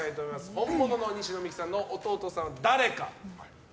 本物の西野未姫さんの弟さんは誰か。